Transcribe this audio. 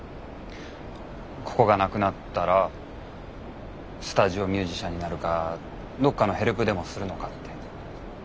ここがなくなったらスタジオミュージシャンになるかどっかのヘルプでもするのかって。